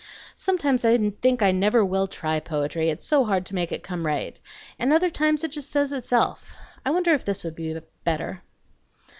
Sometimes I think I never will try poetry, it's so hard to make it come right; and other times it just says itself. I wonder if this would be better?